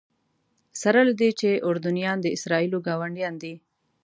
سره له دې چې اردنیان د اسرائیلو ګاونډیان دي.